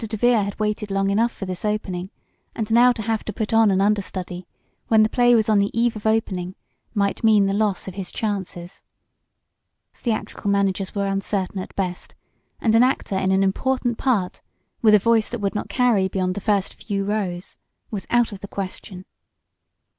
DeVere had waited long enough for this opening, and now to have to put on an understudy when the play was on the eve of opening, might mean the loss of his chances. Theatrical managers were uncertain at best, and an actor in an important part, with a voice that would not carry beyond the first few rows, was out of the question.